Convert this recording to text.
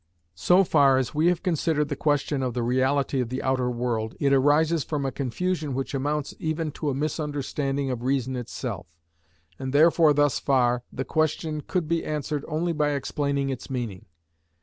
So far as we have considered the question of the reality of the outer world, it arises from a confusion which amounts even to a misunderstanding of reason itself, and therefore thus far, the question could be answered only by explaining its meaning.